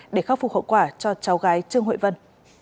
để khắc phục hậu quả cho cháu gái trương hội vân